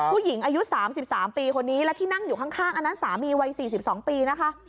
ผู้หญิงอายุ๓๓ปีคนนี้และที่นั่งอยู่ข้างอันนั้นสามีวัย๔๒ปีนะคะ